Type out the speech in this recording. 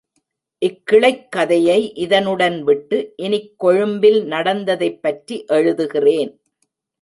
இக் கிளைக்கதையை இதனுடன் விட்டு, இனிக் கொழும்பில் நடந்ததைப்பற்றி எழுதுகிறேன்.